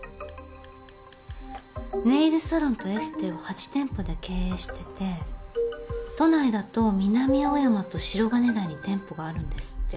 ネイルサロンとエステを８店舗で経営してて都内だと南青山と白金台に店舗があるんですって。